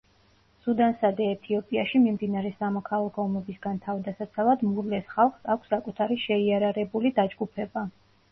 სუდანსა და ეთიოპიაში მიმდინარე სამოქალაქო ომებისგან თავდასაცავად მურლეს ხალხს აქვს საკუთარი შეიარარებული დაჯგუფება.